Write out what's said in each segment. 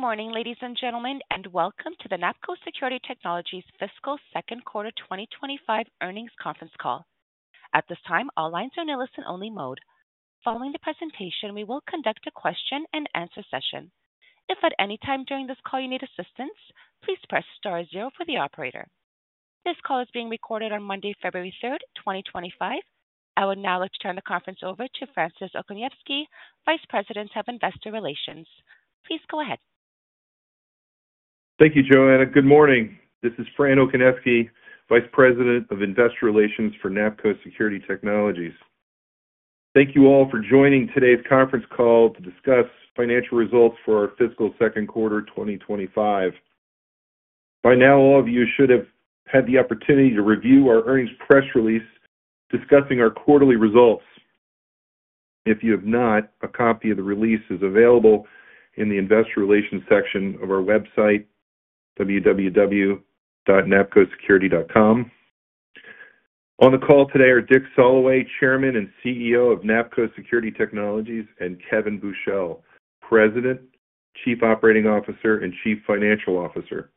Good morning, ladies and gentlemen, and welcome to the NAPCO Security Technologies fiscal second quarter 2025 earnings conference Call. At this time, all lines are in a listen-only mode. Following the presentation, we will conduct a question-and-answer session. If at any time during this call you need assistance, please press star zero for the operator. This call is being recorded on Monday, February 3rd, 2025. I would now like to turn the conference over to Francis Okoniewski, Vice President of Investor Relations. Please go ahead. Thank you, Joanna. Good morning. This is Francis Okoniewski, Vice President of Investor Relations for NAPCO Security Technologies. Thank you all for joining today's conference call to discuss financial results for our fiscal second quarter 2025. By now, all of you should have had the opportunity to review our earnings press release discussing our quarterly results. If you have not, a copy of the release is available in the Investor Relations section of our website, www.napcosecurity.com. On the call today are Dick Soloway, Chairman and CEO of NAPCO Security Technologies, and Kevin Buchel, President, Chief Operating Officer, and Chief Financial Officer.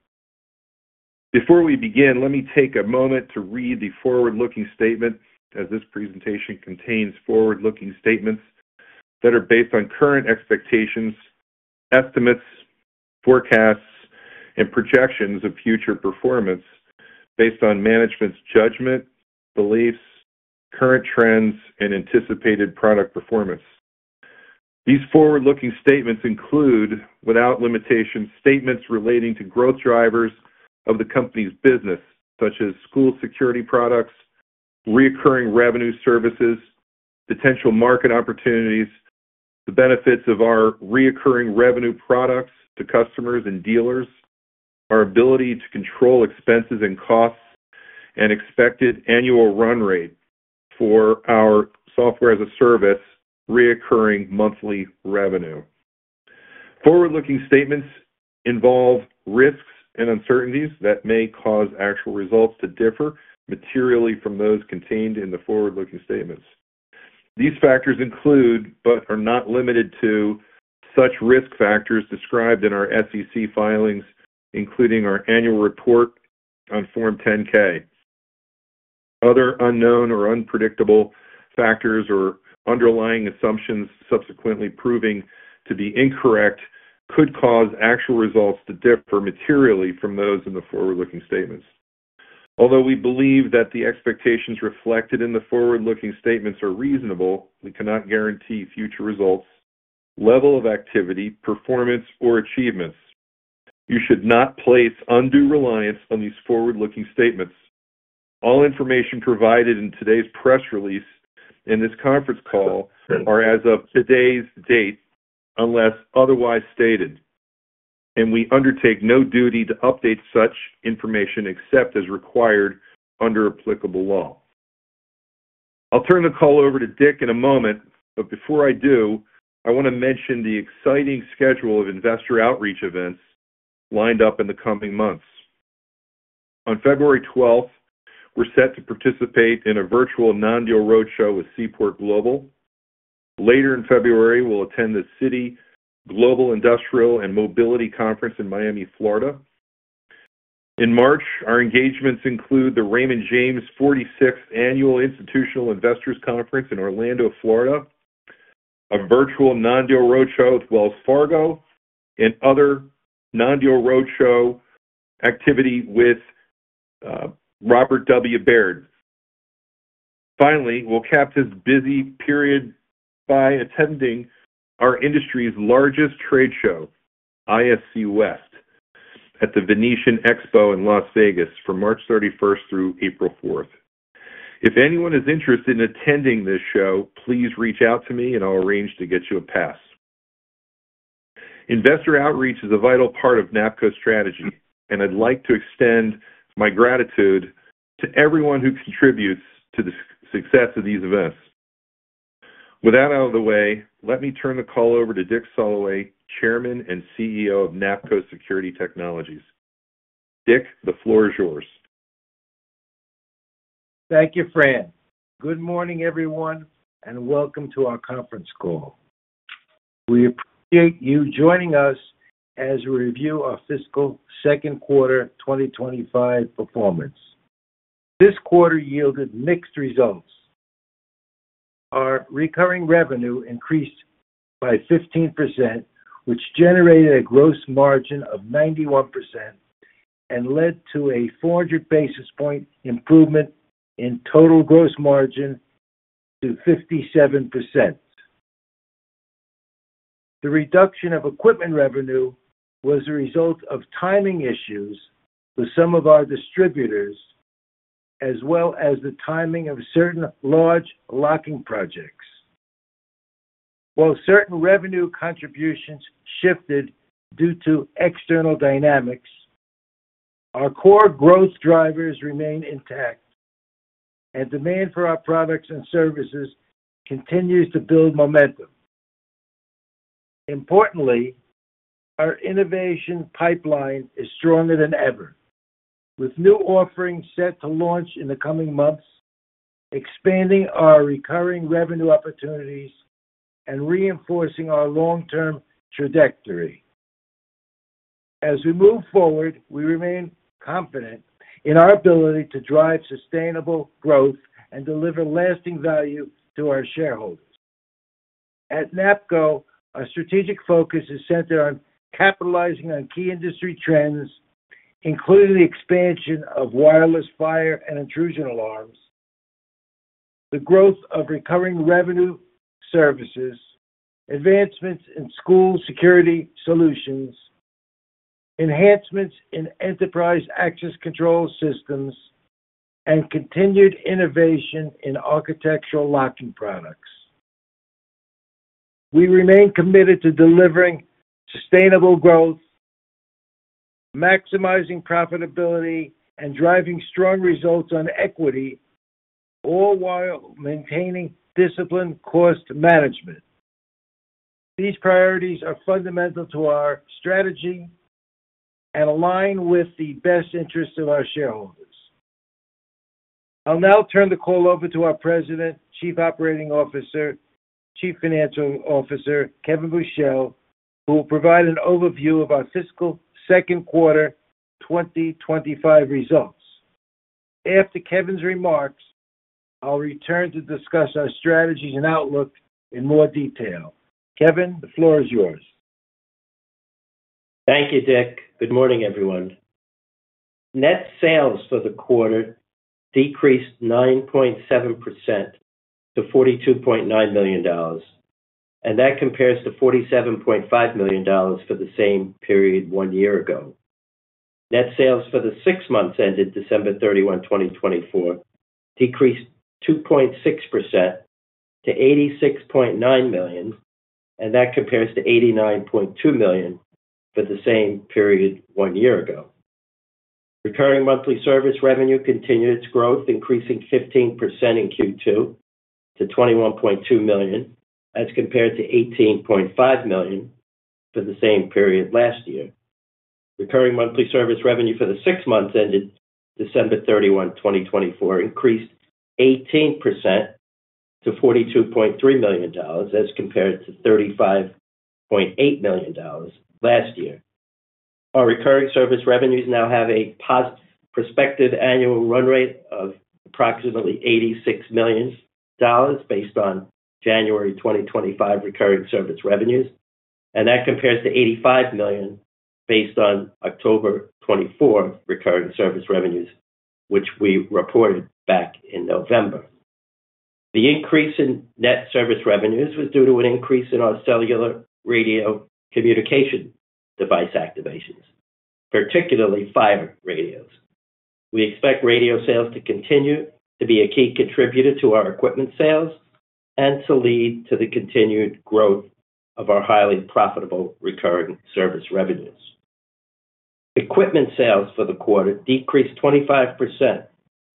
Before we begin, let me take a moment to read the forward-looking statement, as this presentation contains forward-looking statements that are based on current expectations, estimates, forecasts, and projections of future performance based on management's judgment, beliefs, current trends, and anticipated product performance. These forward-looking statements include, without limitations, statements relating to growth drivers of the company's business, such as school security products, recurring revenue services, potential market opportunities, the benefits of our recurring revenue products to customers and dealers, our ability to control expenses and costs, and expected annual run rate for our software as a service recurring monthly revenue. Forward-looking statements involve risks and uncertainties that may cause actual results to differ materially from those contained in the forward-looking statements. These factors include, but are not limited to, such risk factors described in our SEC filings, including our annual report on Form 10-K. Other unknown or unpredictable factors or underlying assumptions subsequently proving to be incorrect could cause actual results to differ materially from those in the forward-looking statements. Although we believe that the expectations reflected in the forward-looking statements are reasonable, we cannot guarantee future results, level of activity, performance, or achievements. You should not place undue reliance on these forward-looking statements. All information provided in today's press release and this conference call are as of today's date unless otherwise stated, and we undertake no duty to update such information except as required under applicable law. I'll turn the call over to Dick in a moment, but before I do, I want to mention the exciting schedule of investor outreach events lined up in the coming months. On February 12th, we're set to participate in a virtual non-deal roadshow with Seaport Global. Later in February, we'll attend the Citi Global Industrial and Mobility Conference in Miami, Florida. In March, our engagements include the Raymond James 46th Annual Institutional Investors Conference in Orlando, Florida, a virtual non-deal roadshow with Wells Fargo, and other non-deal roadshow activity with Robert W. Baird. Finally, we'll cap this busy period by attending our industry's largest trade show, ISC West, at the Venetian Expo in Las Vegas from March 31st through April 4th. If anyone is interested in attending this show, please reach out to me, and I'll arrange to get you a pass. Investor outreach is a vital part of NAPCO's strategy, and I'd like to extend my gratitude to everyone who contributes to the success of these events. With that out of the way, let me turn the call over to Dick Soloway, Chairman and CEO of NAPCO Security Technologies. Dick, the floor is yours. Thank you, Fran. Good morning, everyone, and welcome to our conference call. We appreciate you joining us as we review our fiscal second quarter 2025 performance. This quarter yielded mixed results. Our recurring revenue increased by 15%, which generated a gross margin of 91% and led to a 400 basis points improvement in total gross margin to 57%. The reduction of equipment revenue was a result of timing issues with some of our distributors, as well as the timing of certain large locking projects. While certain revenue contributions shifted due to external dynamics, our core growth drivers remain intact, and demand for our products and services continues to build momentum. Importantly, our innovation pipeline is stronger than ever, with new offerings set to launch in the coming months, expanding our recurring revenue opportunities and reinforcing our long-term trajectory. As we move forward, we remain confident in our ability to drive sustainable growth and deliver lasting value to our shareholders. At NAPCO, our strategic focus is centered on capitalizing on key industry trends, including the expansion of wireless fire and intrusion alarms, the growth of recurring revenue services, advancements in school security solutions, enhancements in enterprise access control systems, and continued innovation in architectural locking products. We remain committed to delivering sustainable growth, maximizing profitability, and driving strong results on equity, all while maintaining disciplined cost management. These priorities are fundamental to our strategy and align with the best interests of our shareholders. I'll now turn the call over to our President, Chief Operating Officer, Chief Financial Officer, Kevin Buchel, who will provide an overview of our fiscal second quarter 2025 results. After Kevin's remarks, I'll return to discuss our strategies and outlook in more detail. Kevin, the floor is yours. Thank you, Dick. Good morning, everyone. Net sales for the quarter decreased 9.7% to $42.9 million, and that compares to $47.5 million for the same period one year ago. Net sales for the six months ended December 31, 2024, decreased 2.6% to $86.9 million, and that compares to $89.2 million for the same period one year ago. Recurring monthly service revenue continued its growth, increasing 15% in Q2 to $21.2 million, as compared to $18.5 million for the same period last year. Recurring monthly service revenue for the six months ended December 31, 2024, increased 18% to $42.3 million, as compared to $35.8 million last year. Our recurring service revenues now have a prospective annual run rate of approximately $86 million based on January 2025 recurring service revenues, and that compares to $85 million based on October 2024 recurring service revenues, which we reported back in November. The increase in net service revenues was due to an increase in our cellular radio communication device activations, particularly fire radios. We expect radio sales to continue to be a key contributor to our equipment sales and to lead to the continued growth of our highly profitable recurring service revenues. Equipment sales for the quarter decreased 25%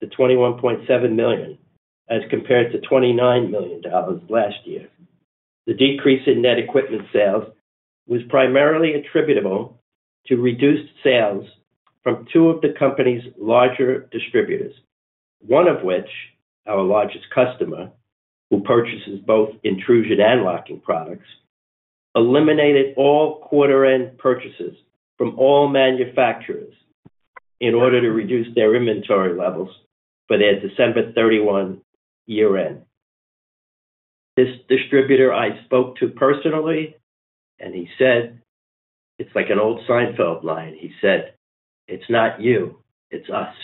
to $21.7 million, as compared to $29 million last year. The decrease in net equipment sales was primarily attributable to reduced sales from two of the company's larger distributors, one of which, our largest customer, who purchases both intrusion and locking products, eliminated all quarter-end purchases from all manufacturers in order to reduce their inventory levels for their December 31 year-end. This distributor I spoke to personally, and he said, "It's like an old Seinfeld line." He said, "It's not you, it's us."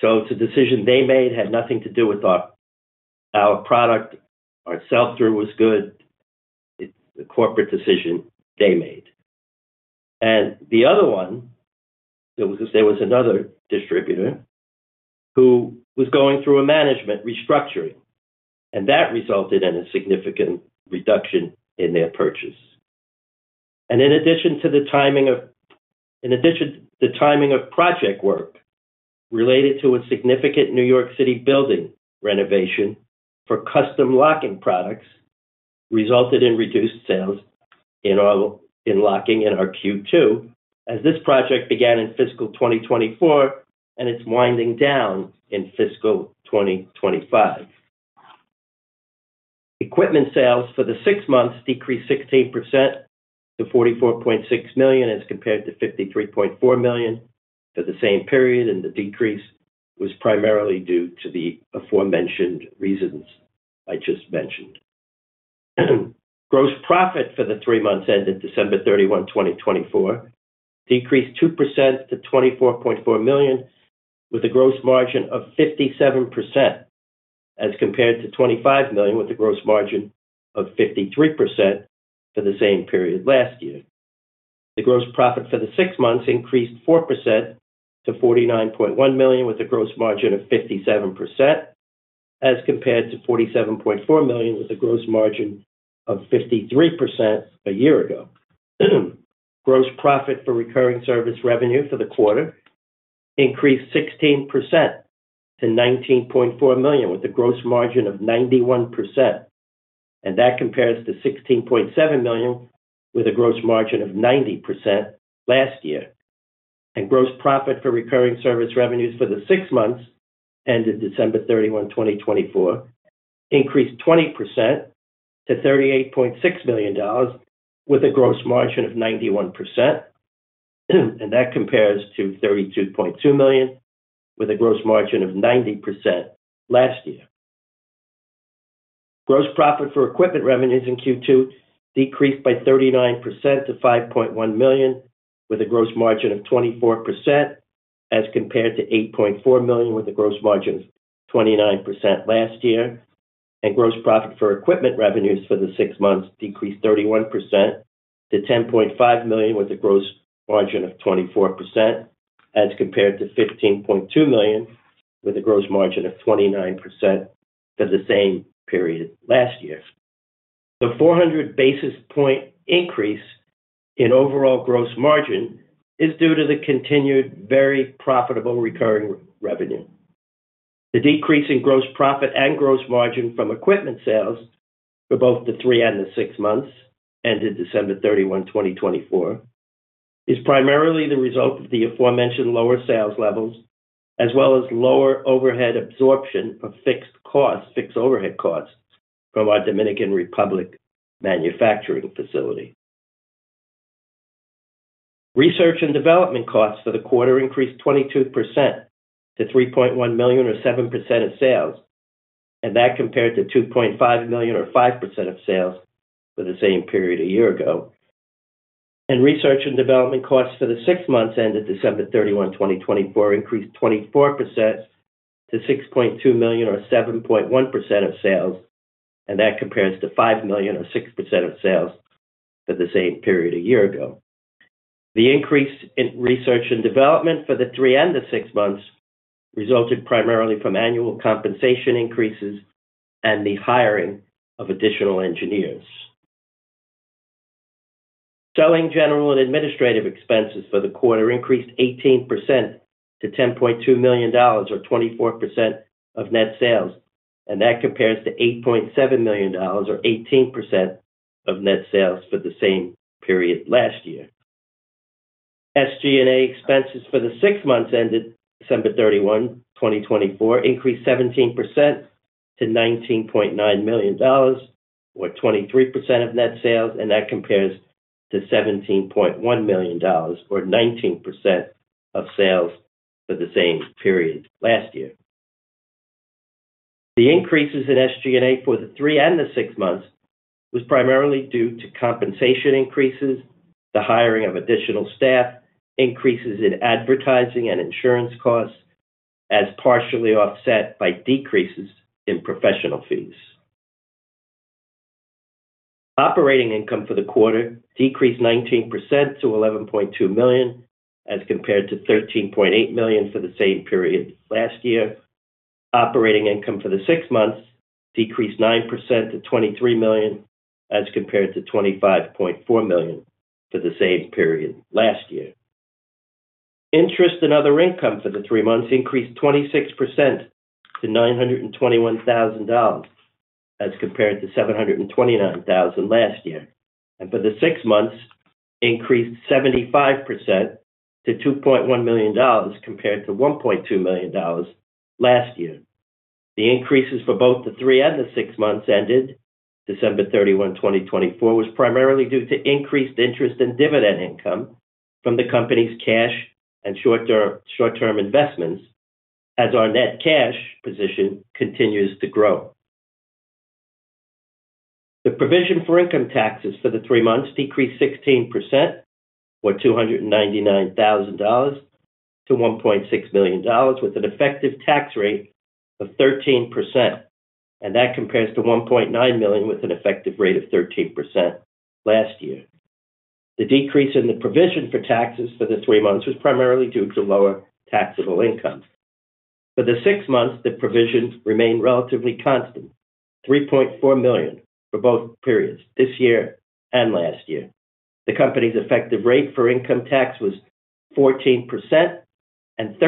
So it's a decision they made. It had nothing to do with our product. Our sell-through was good. It's a corporate decision they made. The other one, there was another distributor who was going through a management restructuring, and that resulted in a significant reduction in their purchase. In addition to the timing of project work related to a significant New York City building renovation for custom locking products, it resulted in reduced sales in locking in our Q2, as this project began in fiscal 2024 and it's winding down in fiscal 2025. Equipment sales for the six months decreased 16% to $44.6 million, as compared to $53.4 million for the same period, and the decrease was primarily due to the aforementioned reasons I just mentioned. Gross profit for the three months ended December 31, 2024, decreased 2% to $24.4 million, with a gross margin of 57%, as compared to $25 million with a gross margin of 53% for the same period last year. The gross profit for the six months increased 4% to $49.1 million, with a gross margin of 57%, as compared to $47.4 million with a gross margin of 53% a year ago. Gross profit for recurring service revenue for the quarter increased 16% to $19.4 million, with a gross margin of 91%, and that compares to $16.7 million with a gross margin of 90% last year. Gross profit for recurring service revenues for the six months ended December 31, 2024, increased 20% to $38.6 million, with a gross margin of 91%, and that compares to $32.2 million with a gross margin of 90% last year. Gross profit for equipment revenues in Q2 decreased by 39% to $5.1 million, with a gross margin of 24%, as compared to $8.4 million with a gross margin of 29% last year. Gross profit for equipment revenues for the six months decreased 31% to $10.5 million with a gross margin of 24%, as compared to $15.2 million with a gross margin of 29% for the same period last year. The 400 basis point increase in overall gross margin is due to the continued very profitable recurring revenue. The decrease in gross profit and gross margin from equipment sales for both the three and the six months ended December 31, 2024, is primarily the result of the aforementioned lower sales levels, as well as lower overhead absorption of fixed costs, fixed overhead costs from our Dominican Republic manufacturing facility. Research and development costs for the quarter increased 22% to $3.1 million, or 7% of sales, and that compared to $2.5 million, or 5% of sales for the same period a year ago. Research and development costs for the six months ended December 31, 2024, increased 24% to $6.2 million, or 7.1% of sales, and that compares to $5 million, or 6% of sales for the same period a year ago. The increase in research and development for the three and the six months resulted primarily from annual compensation increases and the hiring of additional engineers. Selling general and administrative expenses for the quarter increased 18% to $10.2 million, or 24% of net sales, and that compares to $8.7 million, or 18% of net sales for the same period last year. SG&A expenses for the six months ended December 31, 2024, increased 17% to $19.9 million, or 23% of net sales, and that compares to $17.1 million, or 19% of sales for the same period last year. The increases in SG&A for the three and the six months were primarily due to compensation increases, the hiring of additional staff, increases in advertising and insurance costs, as partially offset by decreases in professional fees. Operating income for the quarter decreased 19% to $11.2 million, as compared to $13.8 million for the same period last year. Operating income for the six months decreased 9% to $23 million, as compared to $25.4 million for the same period last year. Interest and other income for the three months increased 26% to $921,000, as compared to $729,000 last year, and for the six months, increased 75% to $2.1 million, compared to $1.2 million last year. The increases for both the three and the six months ended December 31, 2024, were primarily due to increased interest and dividend income from the company's cash and short-term investments, as our net cash position continues to grow. The provision for income taxes for the three months decreased 16%, or $299,000, to $1.6 million, with an effective tax rate of 13%, and that compares to $1.9 million with an effective rate of 13% last year. The decrease in the provision for taxes for the three months was primarily due to lower taxable income. For the six months, the provision remained relatively constant, $3.4 million for both periods, this year and last year. The company's effective rate for income tax was 14% and 13%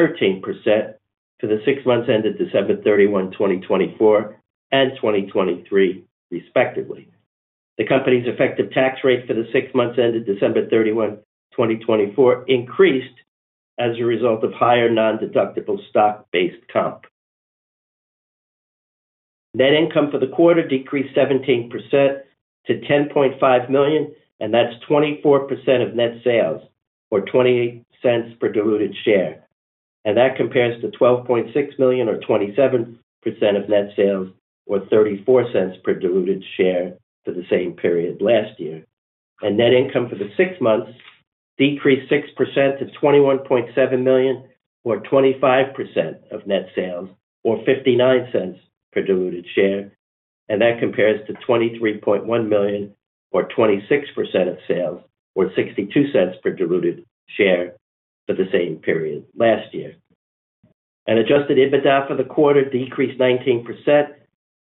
for the six months ended December 31, 2024, and 2023, respectively. The company's effective tax rate for the six months ended December 31, 2024, increased as a result of higher non-deductible stock-based comp. Net income for the quarter decreased 17% to $10.5 million, and that's 24% of net sales, or $0.28 per diluted share, and that compares to $12.6 million, or 27% of net sales, or $0.34 per diluted share for the same period last year. Net income for the six months decreased 6%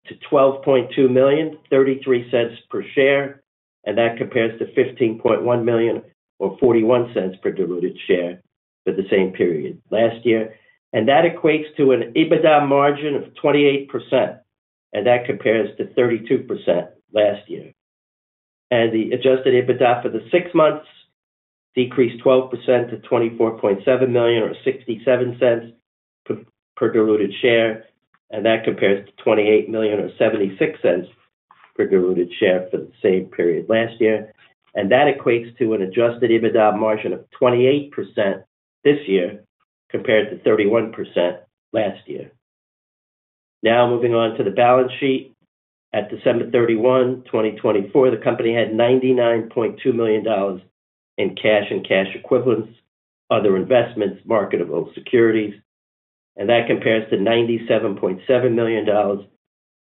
to $21.7 million, or 25% of net sales, or $0.59 per diluted share, and that compares to $23.1 million, or 26% of sales, or $0.62 per diluted share for the same period last year. Adjusted EBITDA for the quarter decreased 19% to $12.2 million, $0.33 per share, and that compares to $15.1 million, or $0.41 per diluted share for the same period last year. That equates to an EBITDA margin of 28%, and that compares to 32% last year. The adjusted EBITDA for the six months decreased 12% to $24.7 million, or $0.67 per diluted share, and that compares to $28 million, or $0.76 per diluted share for the same period last year. That equates to an adjusted EBITDA margin of 28% this year, compared to 31% last year. Now moving on to the balance sheet. At December 31, 2024, the company had $99.2 million in cash and cash equivalents, other investments, marketable securities, and that compares to $97.7 million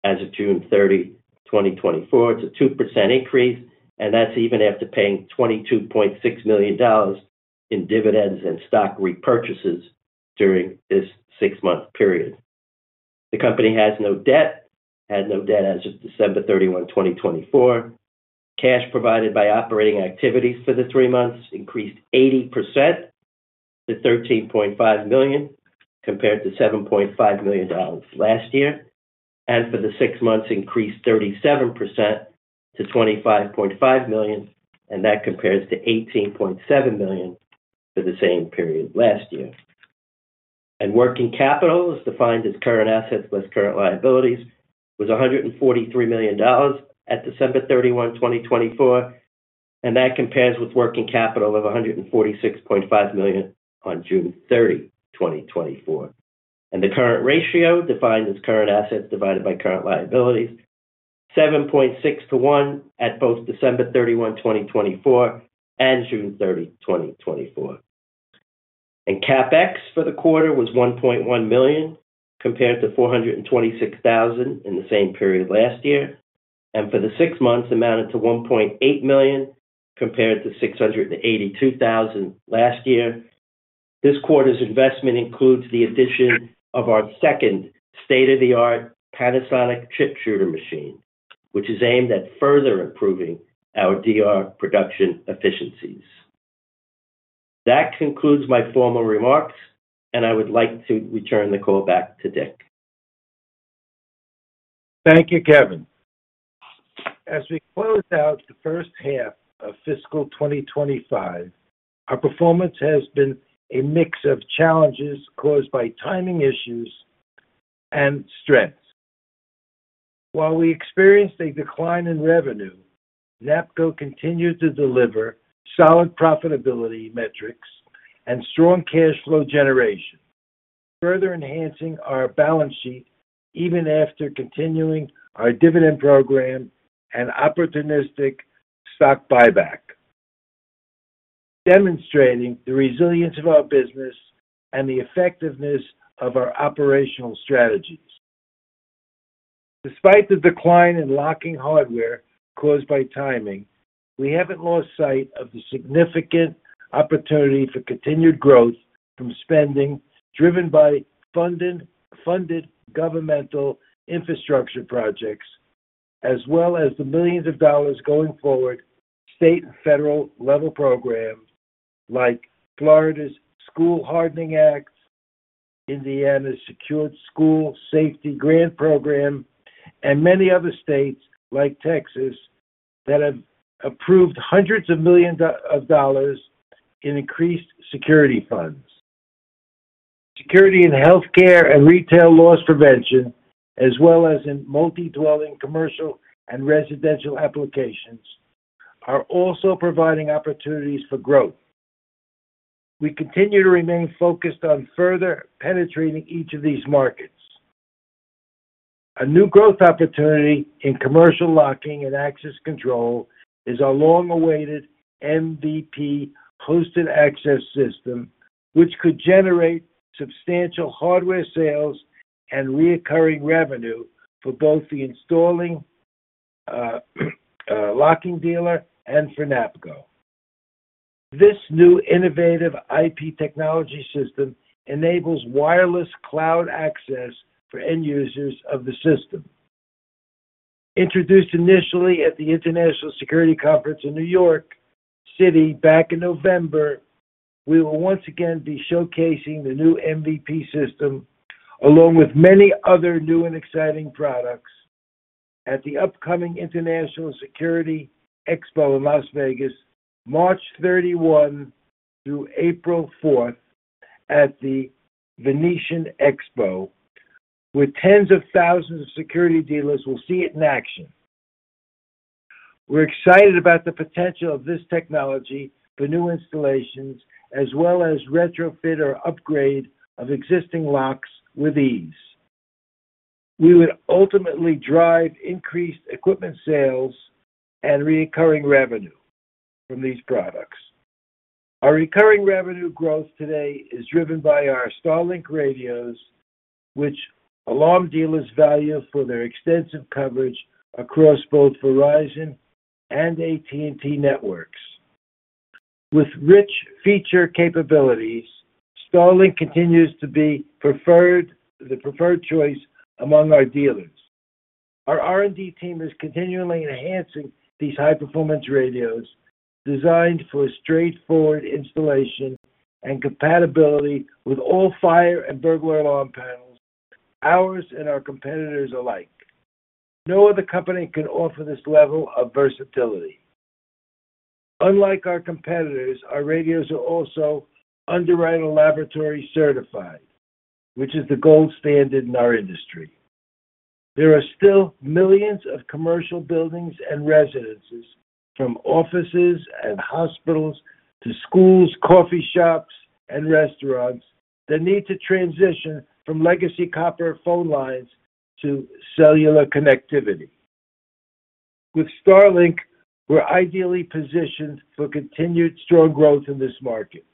as of June 30, 2024. It's a 2% increase, and that's even after paying $22.6 million in dividends and stock repurchases during this six-month period. The company has no debt, had no debt as of December 31, 2024. Cash provided by operating activities for the three months increased 80% to $13.5 million, compared to $7.5 million last year. For the six months, increased 37% to $25.5 million, and that compares to $18.7 million for the same period last year. Working capital, as defined as current assets less current liabilities, was $143 million at December 31, 2024, and that compares with working capital of $146.5 million on June 30, 2024. The current ratio, defined as current assets divided by current liabilities, is 7.6 to 1 at both December 31, 2024, and June 30, 2024. CapEx for the quarter was $1.1 million, compared to $426,000 in the same period last year. For the six months, amounted to $1.8 million, compared to $682,000 last year. This quarter's investment includes the addition of our second state-of-the-art Panasonic chip shooter machine, which is aimed at further improving our DR production efficiencies. That concludes my formal remarks, and I would like to return the call back to Dick. Thank you, Kevin. As we close out the first half of fiscal 2025, our performance has been a mix of challenges caused by timing issues and strengths. While we experienced a decline in revenue, NAPCO continues to deliver solid profitability metrics and strong cash flow generation, further enhancing our balance sheet even after continuing our dividend program and opportunistic stock buyback, demonstrating the resilience of our business and the effectiveness of our operational strategies. Despite the decline in locking hardware caused by timing, we haven't lost sight of the significant opportunity for continued growth from spending driven by funded governmental infrastructure projects, as well as the millions of dollars going forward, state and federal level programs like Florida's School Hardening Act, Indiana's Secured School Safety Grant Program, and many other states like Texas that have approved hundreds of millions of dollars in increased security funds. Security in healthcare and retail loss prevention, as well as in multi-dwelling commercial and residential applications, are also providing opportunities for growth. We continue to remain focused on further penetrating each of these markets. A new growth opportunity in commercial locking and access control is our long-awaited MVP hosted access system, which could generate substantial hardware sales and recurring revenue for both the installing locking dealer and for NAPCO. This new innovative IP technology system enables wireless cloud access for end users of the system. Introduced initially at the International Security Conference in New York City back in November, we will once again be showcasing the new MVP system, along with many other new and exciting products, at the upcoming International Security Expo in Las Vegas, March 31 through April 4 at the Venetian Expo, where tens of thousands of security dealers will see it in action. We're excited about the potential of this technology for new installations, as well as retrofit or upgrade of existing locks with ease. We would ultimately drive increased equipment sales and recurring revenue from these products. Our recurring revenue growth today is driven by our StarLink radios, which alarm dealers value for their extensive coverage across both Verizon and AT&T networks. With rich feature capabilities, StarLink continues to be the preferred choice among our dealers. Our R&D team is continually enhancing these high-performance radios, designed for straightforward installation and compatibility with all fire and burglar alarm panels, ours and our competitors alike. No other company can offer this level of versatility. Unlike our competitors, our radios are also Underwriters Laboratories Certified, which is the gold standard in our industry. There are still millions of commercial buildings and residences, from offices and hospitals to schools, coffee shops, and restaurants, that need to transition from legacy copper phone lines to cellular connectivity. With StarLink, we're ideally positioned for continued strong growth in this market.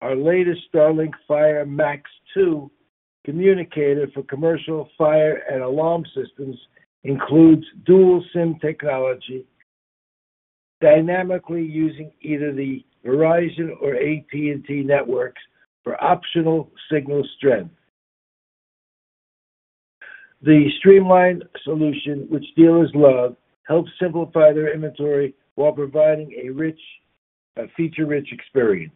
Our latest StarLink FireMax 2 communicator for commercial fire and alarm systems includes dual SIM technology, dynamically using either the Verizon or AT&T networks for optimal signal strength. The streamlined solution, which dealers love, helps simplify their inventory while providing a feature-rich experience.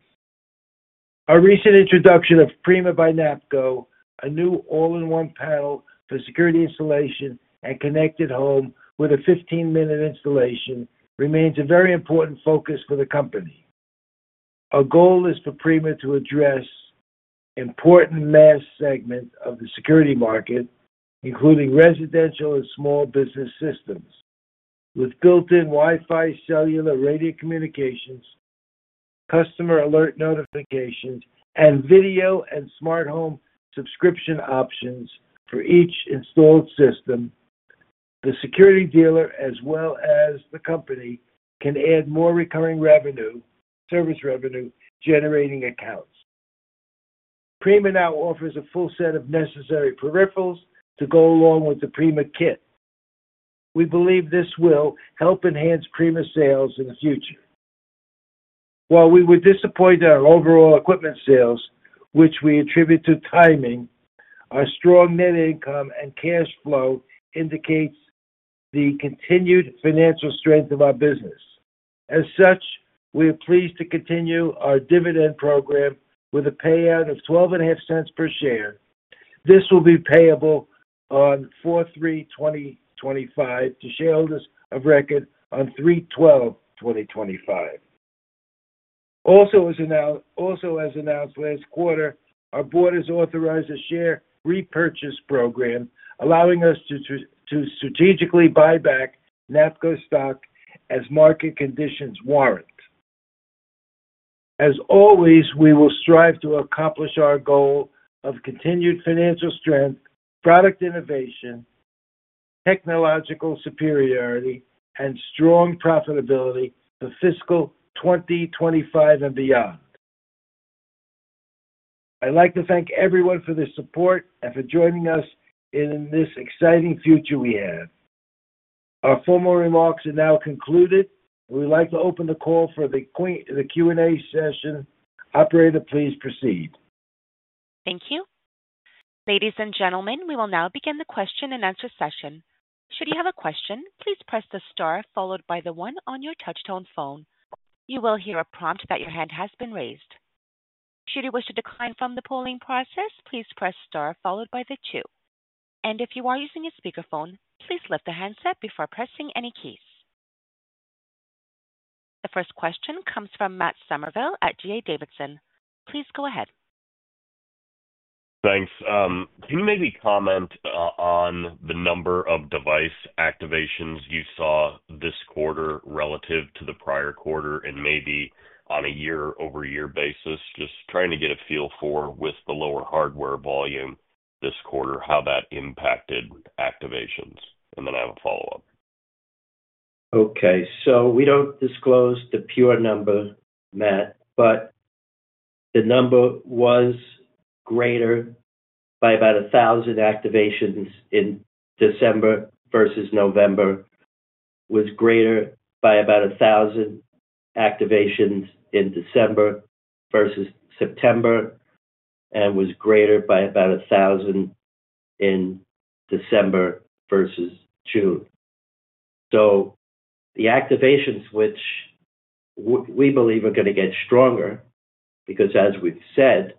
Our recent introduction of Prima by NAPCO, a new all-in-one panel for security installation and connected home with a 15-minute installation, remains a very important focus for the company. Our goal is for Prima to address important mass segments of the security market, including residential and small business systems, with built-in Wi-Fi cellular radio communications, customer alert notifications, and video and smart home subscription options for each installed system. The security dealer, as well as the company, can add more recurring revenue, service revenue, generating accounts. Prima now offers a full set of necessary peripherals to go along with the Prima Kit. We believe this will help enhance Prima sales in the future. While we were disappointed in our overall equipment sales, which we attribute to timing, our strong net income and cash flow indicates the continued financial strength of our business. As such, we are pleased to continue our dividend program with a payout of $12.50 per share. This will be payable on 4/3/2025 to shareholders of record on 3/12/2025. Also as announced last quarter, our board has authorized a share repurchase program, allowing us to strategically buy back NAPCO stock as market conditions warrant. As always, we will strive to accomplish our goal of continued financial strength, product innovation, technological superiority, and strong profitability for fiscal 2025 and beyond. I'd like to thank everyone for their support and for joining us in this exciting future we have. Our formal remarks are now concluded, and we'd like to open the call for the Q&A session. Operator, please proceed. Thank you. Ladies and gentlemen, we will now begin the question and answer session. Should you have a question, please press the star followed by the one on your touch-tone phone. You will hear a prompt that your hand has been raised. Should you wish to decline from the polling process, please press star followed by the two. And if you are using a speakerphone, please lift the handset before pressing any keys. The first question comes from Matt Summerville at D.A. Davidson. Please go ahead. Thanks. Can you maybe comment on the number of device activations you saw this quarter relative to the prior quarter and maybe on a year-over-year basis, just trying to get a feel for, with the lower hardware volume this quarter, how that impacted activations? Then I have a follow-up. Okay. We don't disclose the pure number, Matt, but the number was greater by about 1,000 activations in December versus November, was greater by about 1,000 activations in December versus September, and was greater by about 1,000 in December versus June. The activations, which we believe are going to get stronger because, as we've said,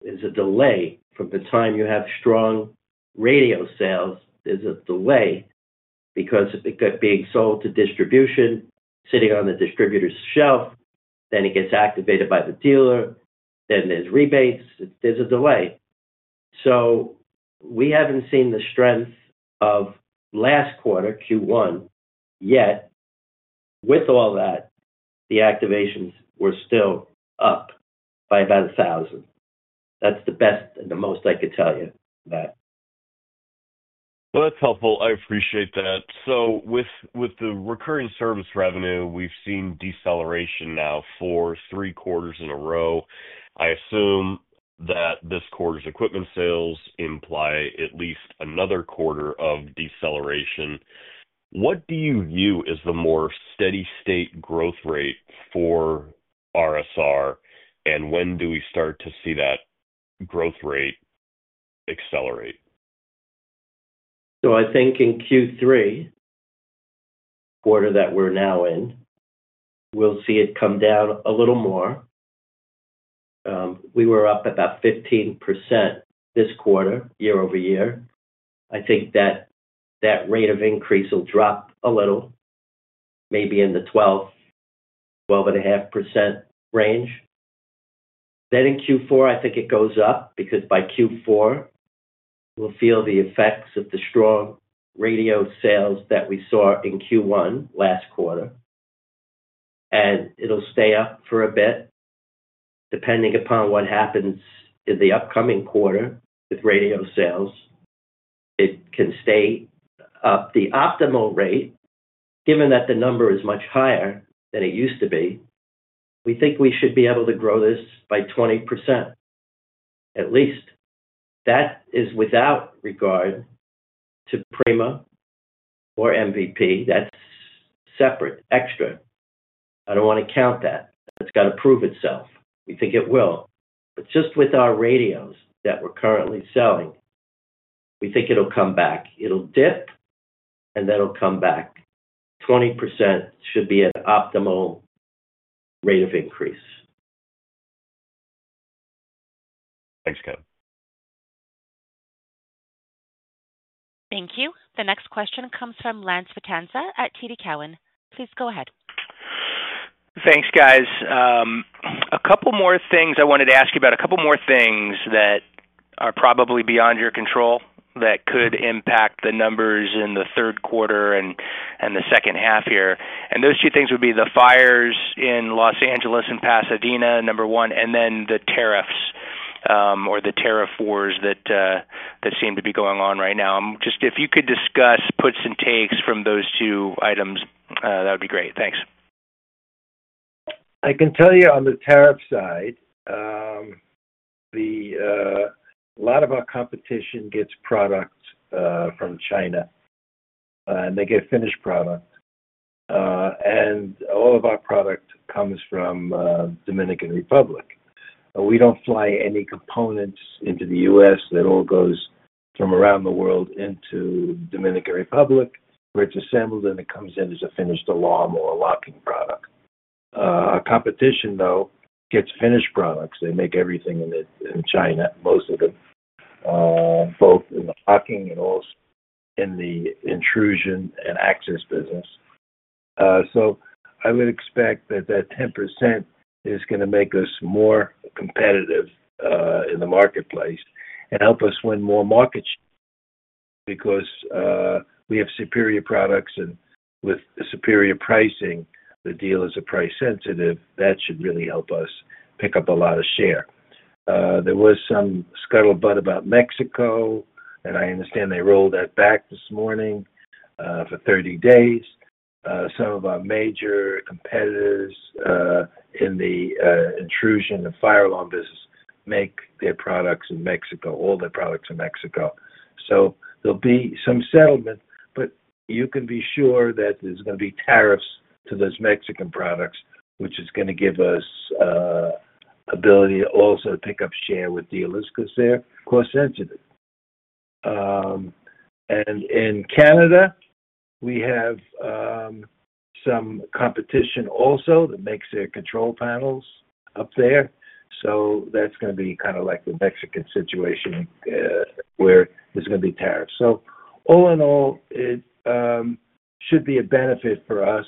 there's a delay from the time you have strong radio sales. There's a delay because it's being sold to distribution, sitting on the distributor's shelf, then it gets activated by the dealer, then there's rebates. There's a delay. We haven't seen the strength of last quarter, Q1, yet. With all that, the activations were still up by about 1,000. That's the best and the most I could tell you, Matt. Well, that's helpful. I appreciate that. With the recurring service revenue, we've seen deceleration now for three quarters in a row. I assume that this quarter's equipment sales imply at least another quarter of deceleration. What do you view as the more steady-state growth rate for RMR, and when do we start to see that growth rate accelerate? So I think in Q3, quarter that we're now in, we'll see it come down a little more. We were up about 15% this quarter, year-over-year. I think that rate of increase will drop a little, maybe in the 12-12.5% range. Then in Q4, I think it goes up because by Q4, we'll feel the effects of the strong radio sales that we saw in Q1 last quarter, and it'll stay up for a bit. Depending upon what happens in the upcoming quarter with radio sales, it can stay up. The optimal rate, given that the number is much higher than it used to be, we think we should be able to grow this by 20%, at least. That is without regard to Prima or MVP. That's separate, extra. I don't want to count that. That's got to prove itself. We think it will. But just with our radios that we're currently selling, we think it'll come back. It'll dip, and then it'll come back. 20% should be an optimal rate of increase. Thanks, Kevin. Thank you. The next question comes from Lance Vitanza at TD Cowen. Please go ahead. Thanks, guys. A couple more things I wanted to ask you about, a couple more things that are probably beyond your control that could impact the numbers in the third quarter and the second half here. Those two things would be the fires in Los Angeles and Pasadena, number one, and then the tariffs or the tariff wars that seem to be going on right now. Just if you could discuss puts and takes from those two items, that would be great. Thanks. I can tell you on the tariff side, a lot of our competition gets product from China, and they get finished product. And all of our product comes from the Dominican Republic. We don't fly any components into the U.S. It all goes from around the world into the Dominican Republic, where it's assembled, and it comes in as a finished alarm or a locking product. Our competition, though, gets finished products. They make everything in China, most of them, both in the locking and also in the intrusion and access business. So I would expect that that 10% is going to make us more competitive in the marketplace and help us win more market shares because we have superior products, and with superior pricing, the deal is price-sensitive. That should really help us pick up a lot of share. There was some scuttlebutt about Mexico, and I understand they rolled that back this morning for 30 days. Some of our major competitors in the intrusion and fire alarm business make their products in Mexico, all their products in Mexico. So there'll be some settlement, but you can be sure that there's going to be tariffs to those Mexican products, which is going to give us the ability also to pick up share with dealers because they're cost-sensitive. And in Canada, we have some competition also that makes their control panels up there. So that's going to be kind of like the Mexican situation where there's going to be tariffs. So all in all, it should be a benefit for us.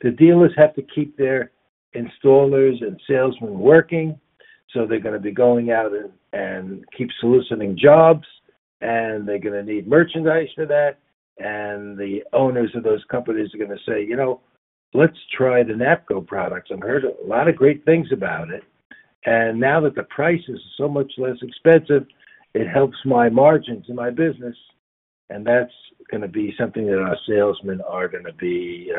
The dealers have to keep their installers and salesmen working, so they're going to be going out and keep soliciting jobs, and they're going to need merchandise for that. And the owners of those companies are going to say, "Let's try the NAPCO products. I've heard a lot of great things about it. Now that the price is so much less expensive, it helps my margins and my business." That's going to be something that our salesmen are going to be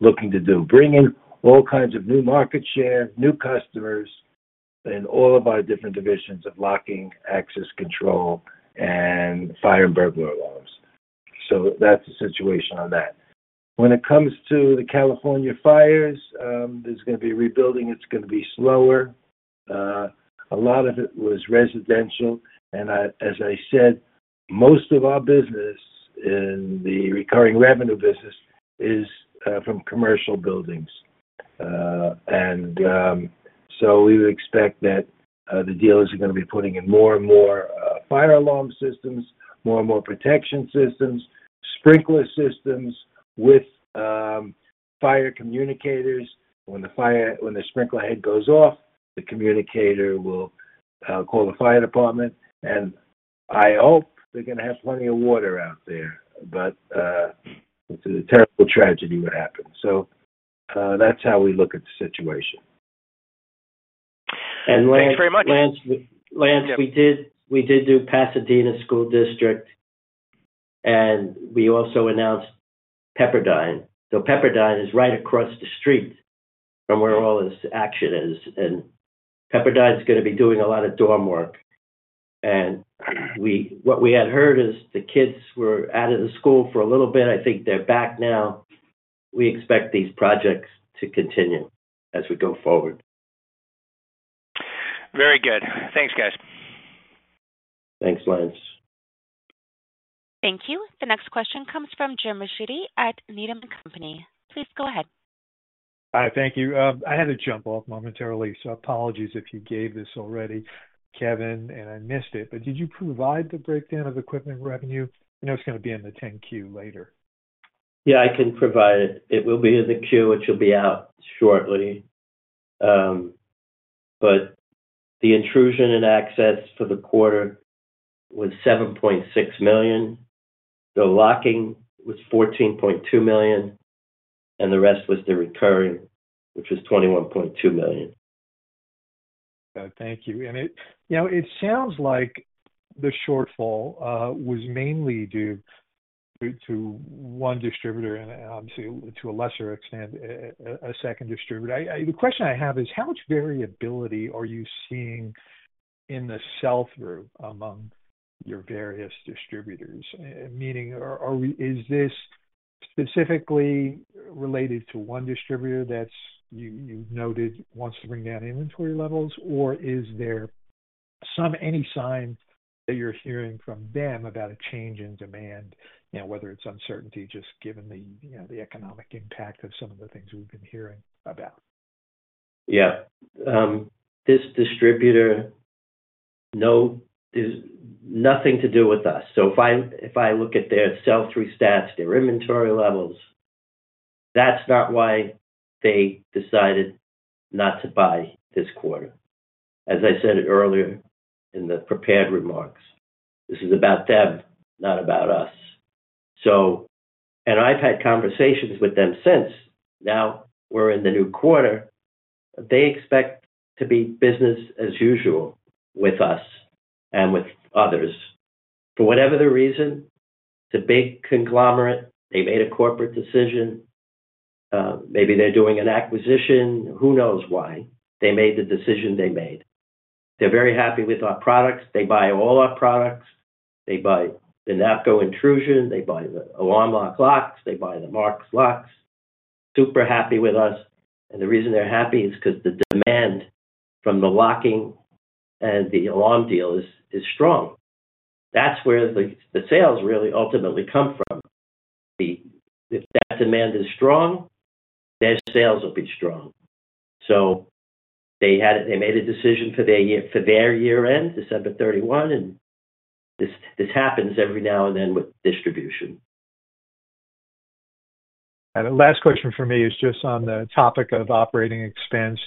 looking to do, bringing all kinds of new market share, new customers, and all of our different divisions of locking, access control, and fire and burglar alarms. So that's the situation on that. When it comes to the California fires, there's going to be rebuilding. It's going to be slower. A lot of it was residential, and as I said, most of our business in the recurring revenue business is from commercial buildings, and so we would expect that the dealers are going to be putting in more and more fire alarm systems, more and more protection systems, sprinkler systems with fire communicators. When the sprinkler head goes off, the communicator will call the fire department, and I hope they're going to have plenty of water out there, but it's a terrible tragedy what happened. So that's how we look at the situation, And Lance... Thanks very much. Lance, we did do Pasadena School District, and we also announced Pepperdine, so Pepperdine is right across the street from where all this action is. Pepperdine's going to be doing a lot of dorm work. What we had heard is the kids were out of the school for a little bit. I think they're back now. We expect these projects to continue as we go forward. Very good. Thanks, guys. Thanks, Lance. Thank you. The next question comes from James Ricchiuti at Needham & Company. Please go ahead. Hi. Thank you. I had to jump off momentarily, so apologies if you gave this already, Kevin, and I missed it. But did you provide the breakdown of equipment revenue? I know it's going to be in the 10-Q later. Yeah, I can provide it. It will be in the 10-Q, which will be out shortly. But the intrusion and access for the quarter was $7.6 million. The locking was $14.2 million, and the rest was the recurring, which was $21.2 million. Okay. Thank you. It sounds like the shortfall was mainly due to one distributor and, obviously, to a lesser extent, a second distributor. The question I have is, how much variability are you seeing in the sell-through among your various distributors? Meaning, is this specifically related to one distributor that you noted wants to bring down inventory levels, or is there any sign that you're hearing from them about a change in demand, whether it's uncertainty just given the economic impact of some of the things we've been hearing about? Yeah. This distributor, no, there's nothing to do with us. So if I look at their sell-through stats, their inventory levels, that's not why they decided not to buy this quarter. As I said earlier in the prepared remarks, this is about them, not about us. And I've had conversations with them since. Now we're in the new quarter. They expect to be business as usual with us and with others. For whatever the reason, it's a big conglomerate. They made a corporate decision. Maybe they're doing an acquisition. Who knows why? They made the decision they made. They're very happy with our products. They buy all our products. They buy the NAPCO intrusion. They buy the Alarm Lock locks. They buy the Marks locks. Super happy with us. And the reason they're happy is because the demand from the locking and the Alarm Lock is strong. That's where the sales really ultimately come from. If that demand is strong, their sales will be strong. So they made a decision for their year-end, December 31. And this happens every now and then with distribution. The last question for me is just on the topic of operating expense,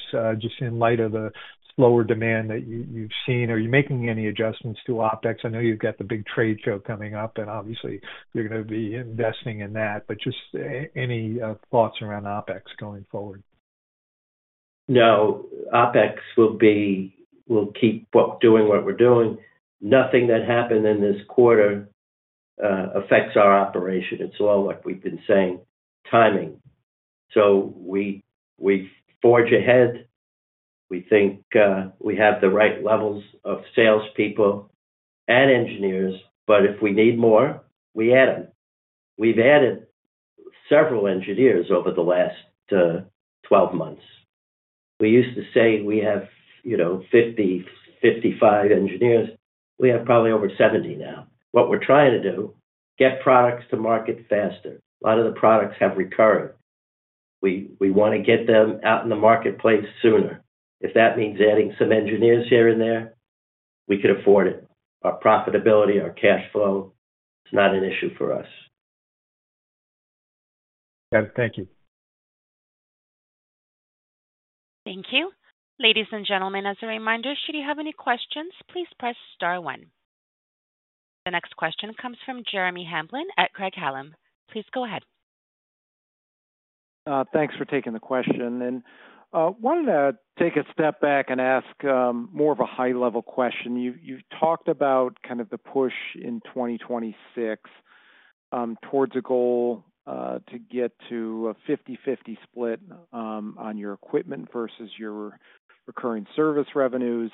just in light of the slower demand that you've seen. Are you making any adjustments to OpEx? I know you've got the big trade show coming up, and obviously, you're going to be investing in that. But just any thoughts around OpEx going forward? No. OpEx will keep doing what we're doing. Nothing that happened in this quarter affects our operation. It's all, like we've been saying, timing. So we forge ahead. We think we have the right levels of salespeople and engineers, but if we need more, we add them. We've added several engineers over the last 12 months. We used to say we have 50, 55 engineers. We have probably over 70 now. What we're trying to do is get products to market faster. A lot of the products have recurring. We want to get them out in the marketplace sooner. If that means adding some engineers here and there, we could afford it. Our profitability, our cash flow, it's not an issue for us. Okay. Thank you. Thank you. Ladies and gentlemen, as a reminder, should you have any questions, please press star one. The next question comes from Jeremy Hamblin at Craig-Hallum. Please go ahead. Thanks for taking the question. And I wanted to take a step back and ask more of a high-level question. You talked about kind of the push in 2026 towards a goal to get to a 50/50 split on your equipment versus your recurring service revenues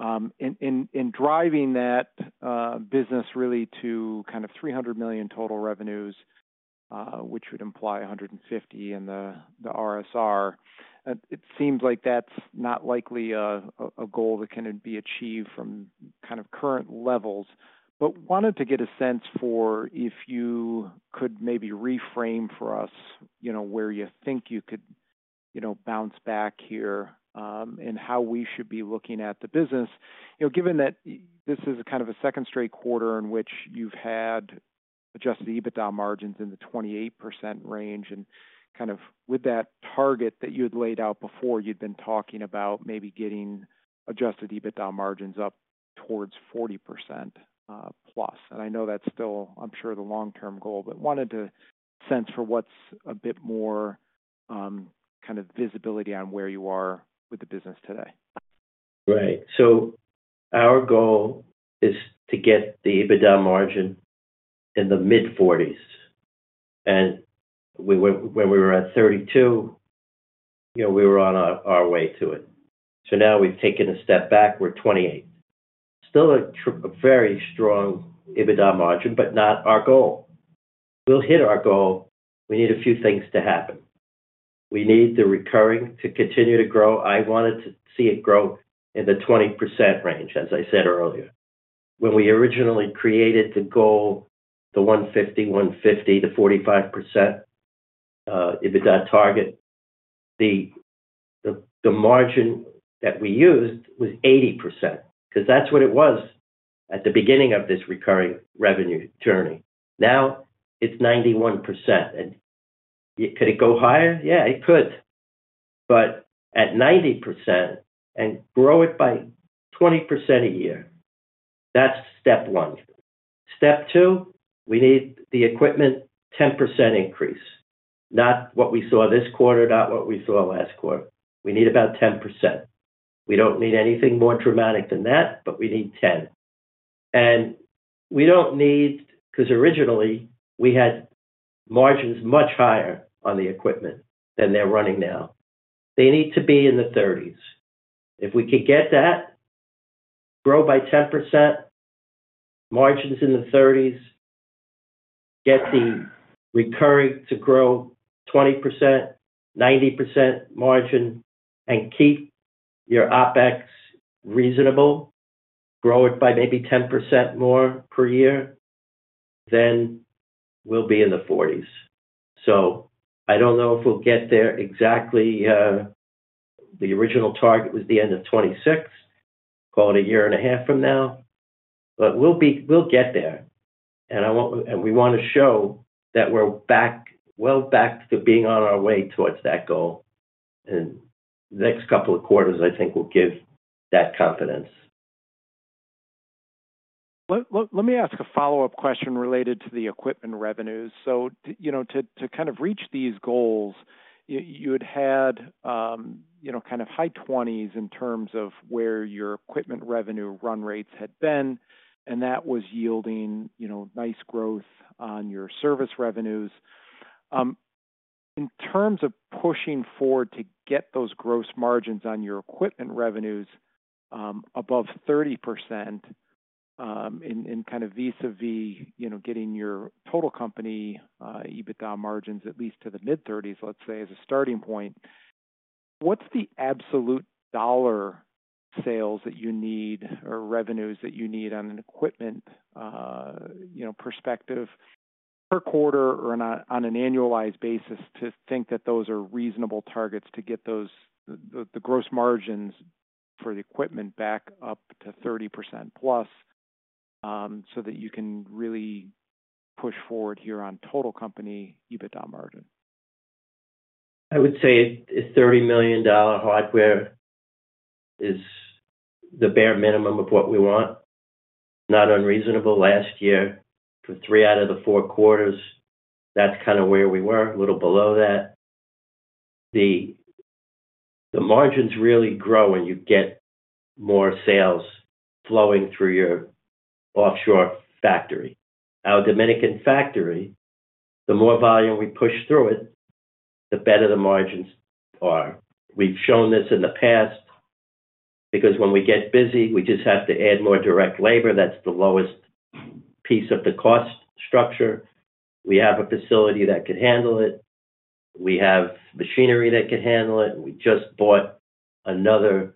and driving that business really to kind of $300 million total revenues, which would imply 150 in the RSR. It seems like that's not likely a goal that can be achieved from kind of current levels. Wanted to get a sense for if you could maybe reframe for us where you think you could bounce back here and how we should be looking at the business. Given that this is kind of a second straight quarter in which you've had adjusted EBITDA margins in the 28% range and kind of with that target that you had laid out before, you'd been talking about maybe getting adjusted EBITDA margins up towards 40% plus. I know that's still, I'm sure, the long-term goal, but wanted a sense for what's a bit more kind of visibility on where you are with the business today. Right. Our goal is to get the EBITDA margin in the mid-40s. When we were at 32, we were on our way to it. Now we've taken a step back. We're 28. Still a very strong EBITDA margin, but not our goal. We'll hit our goal. We need a few things to happen. We need the recurring to continue to grow. I wanted to see it grow in the 20% range, as I said earlier. When we originally created the goal, the 150, 150, the 45% EBITDA target, the margin that we used was 80% because that's what it was at the beginning of this recurring revenue journey. Now it's 91% and could it go higher? Yeah, it could, but at 90% and grow it by 20% a year, that's step one. Step two, we need the equipment 10% increase, not what we saw this quarter, not what we saw last quarter. We need about 10%. We don't need anything more dramatic than that, but we need 10%. And we don't need because originally, we had margins much higher on the equipment than they're running now. They need to be in the 30s. If we can get that, grow by 10%, margins in the 30s, get the recurring to grow 20%, 90% margin, and keep your OPEX reasonable, grow it by maybe 10% more per year, then we'll be in the 40s. So I don't know if we'll get there exactly. The original target was the end of 2026, call it a year and a half from now, but we'll get there. And we want to show that we're well back to being on our way towards that goal. And the next couple of quarters, I think, will give that confidence. Let me ask a follow-up question related to the equipment revenues. To kind of reach these goals, you had had kind of high 20s in terms of where your equipment revenue run rates had been, and that was yielding nice growth on your service revenues. In terms of pushing forward to get those gross margins on your equipment revenues above 30% and kind of vis-à-vis getting your total company EBITDA margins at least to the mid-30s, let's say, as a starting point, what's the absolute dollar sales that you need or revenues that you need on an equipment perspective per quarter or on an annualized basis to think that those are reasonable targets to get the gross margins for the equipment back up to 30% plus so that you can really push forward here on total company EBITDA margin? I would say a $30 million hardware is the bare minimum of what we want. Not unreasonable. Last year, for three out of the four quarters, that's kind of where we were, a little below that. The margins really grow when you get more sales flowing through your offshore factory. Our Dominican factory, the more volume we push through it, the better the margins are. We've shown this in the past because when we get busy, we just have to add more direct labor. That's the lowest piece of the cost structure. We have a facility that could handle it. We have machinery that could handle it. We just bought another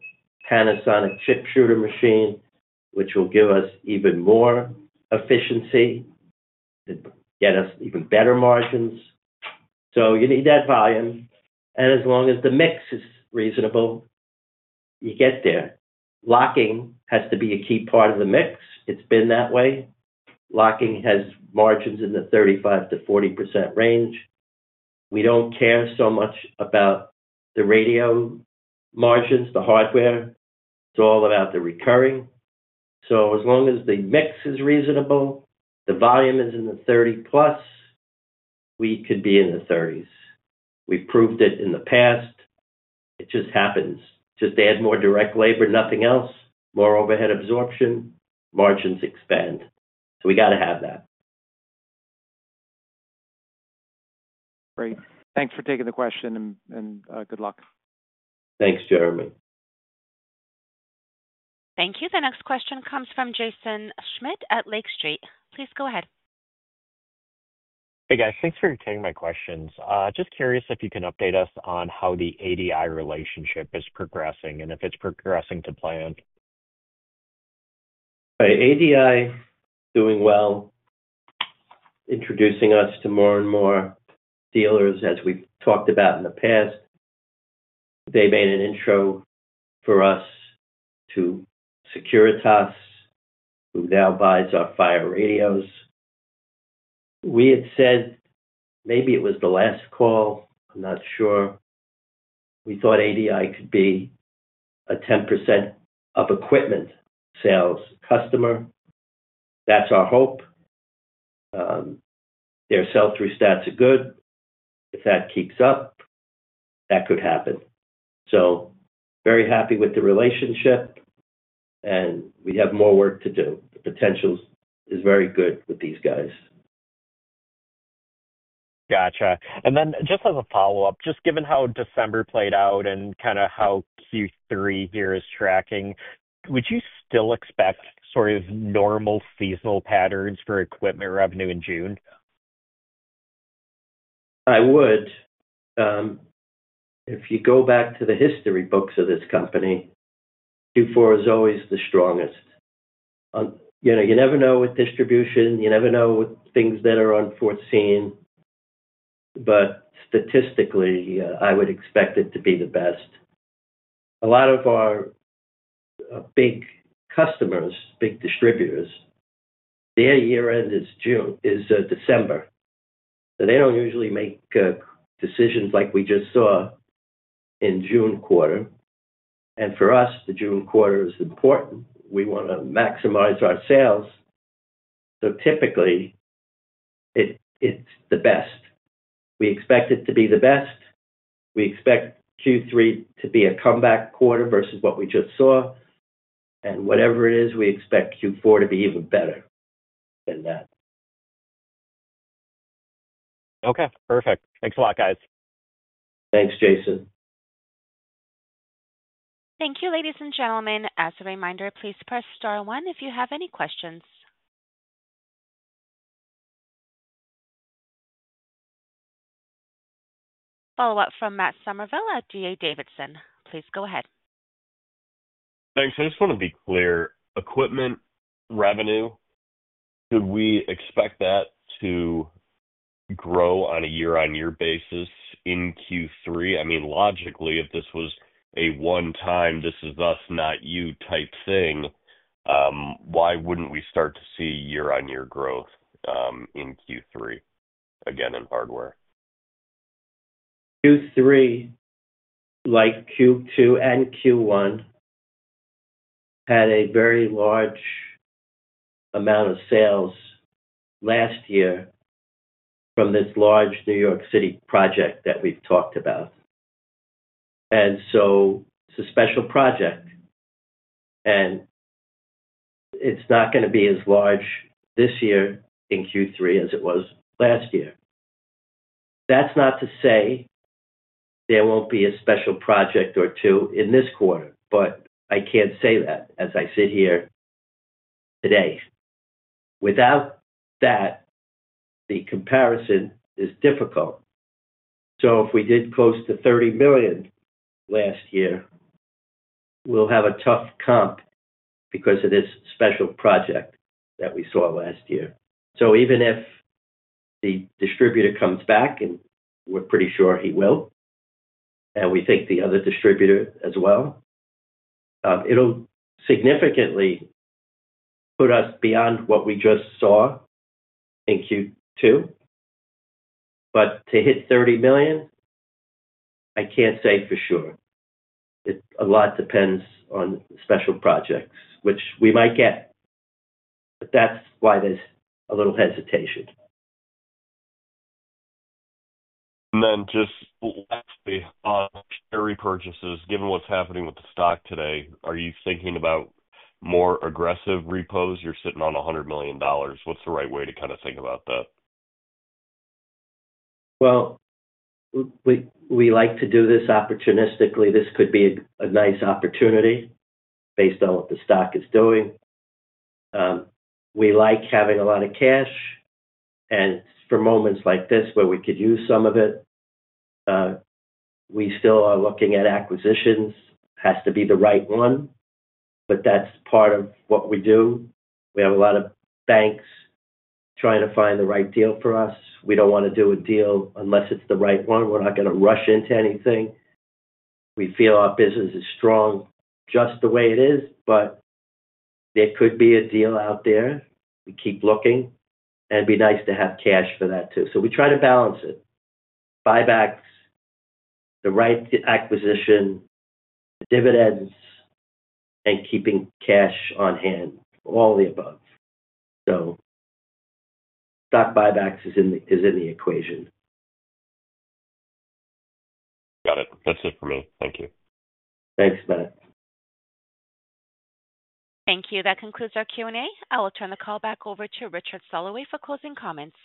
Panasonic chip shooter machine, which will give us even more efficiency, get us even better margins. So you need that volume. And as long as the mix is reasonable, you get there. Locking has to be a key part of the mix. It's been that way. Locking has margins in the 35%-40% range. We don't care so much about the radio margins, the hardware. It's all about the recurring. So as long as the mix is reasonable, the volume is in the 30 plus, we could be in the 30s. We've proved it in the past. It just happens. Just add more direct labor, nothing else. More overhead absorption, margins expand. So we got to have that. Great. Thanks for taking the question, and good luck. Thanks, Jeremy. Thank you. The next question comes from Jaeson Schmidt at Lake Street. Please go ahead. Hey, guys. Thanks for taking my questions. Just curious if you can update us on how the ADI relationship is progressing and if it's progressing to plan. ADI is doing well, introducing us to more and more dealers, as we've talked about in the past. They made an intro for us to Securitas, who now buys our fire radios. We had said maybe it was the last call. I'm not sure. We thought ADI could be a 10% of equipment sales customer. That's our hope. Their sell-through stats are good. If that keeps up, that could happen. So very happy with the relationship, and we have more work to do. The potential is very good with these guys. Gotcha. Then just as a follow-up, just given how December played out and kind of how Q3 here is tracking, would you still expect sort of normal seasonal patterns for equipment revenue in June? I would. If you go back to the history books of this company, Q4 is always the strongest. You never know with distribution. You never know with things that are unforeseen. But statistically, I would expect it to be the best. A lot of our big customers, big distributors, their year-end is December. So they don't usually make decisions like we just saw in June quarter. For us, the June quarter is important. We want to maximize our sales. So typically, it's the best. We expect it to be the best. We expect Q3 to be a comeback quarter versus what we just saw. Whatever it is, we expect Q4 to be even better than that. Okay. Perfect. Thanks a lot, guys. Thanks, Jaeson. Thank you, ladies and gentlemen. As a reminder, please press star one if you have any questions. Follow-up from Matt Summerville at D.A. Davidson. Please go ahead. Thanks. I just want to be clear. Equipment revenue, could we expect that to grow on a year-on-year basis in Q3? I mean, logically, if this was a one-time "this is us, not you" type thing, why wouldn't we start to see year-on-year growth in Q3, again, in hardware? Q3, like Q2 and Q1, had a very large amount of sales last year from this large New York City project that we've talked about. So it's a special project, and it's not going to be as large this year in Q3 as it was last year. That's not to say there won't be a special project or two in this quarter, but I can't say that as I sit here today. Without that, the comparison is difficult. So if we did close to $30 million last year, we'll have a tough comp because of this special project that we saw last year. So even if the distributor comes back, and we're pretty sure he will, and we think the other distributor as well, it'll significantly put us beyond what we just saw in Q2. But to hit $30 million, I can't say for sure. A lot depends on special projects, which we might get, but that's why there's a little hesitation. Then just lastly, on share repurchases, given what's happening with the stock today, are you thinking about more aggressive repos? You're sitting on $100 million. What's the right way to kind of think about that? We like to do this opportunistically. This could be a nice opportunity based on what the stock is doing. We like having a lot of cash, and for moments like this where we could use some of it, we still are looking at acquisitions. It has to be the right one, but that's part of what we do. We have a lot of banks trying to find the right deal for us. We don't want to do a deal unless it's the right one. We're not going to rush into anything. We feel our business is strong just the way it is, but there could be a deal out there. We keep looking, and it'd be nice to have cash for that too. So we try to balance it: buybacks, the right acquisition, dividends, and keeping cash on hand, all the above. So stock buybacks is in the equation. Got it. That's it for me. Thank you. Thanks, Matt. Thank you. That concludes our Q&A. I will turn the call back over to Richard Soloway for closing comments.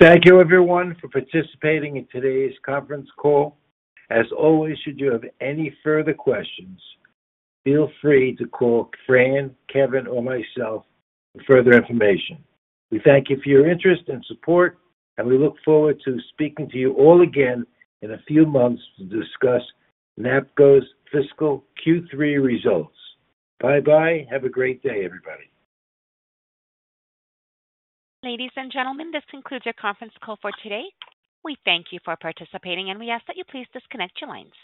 Thank you, everyone, for participating in today's conference call. As always, should you have any further questions, feel free to call Fran, Kevin, or myself for further information. We thank you for your interest and support, and we look forward to speaking to you all again in a few months to discuss NAPCO's fiscal Q3 results. Bye-bye. Have a great day, everybody. Ladies and gentlemen, this concludes your conference call for today. We thank you for participating, and we ask that you please disconnect your lines.